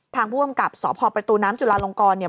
ทางผู้อำกับสพประตูน้ำจุลาลงกรเนี่ย